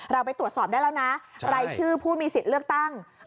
เราไปตรวจสอบได้แล้วนะรายชื่อผู้มีสิทธิ์เลือกตั้ง